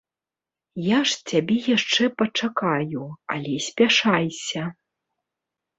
Я ж цябе яшчэ пачакаю, але спяшайся.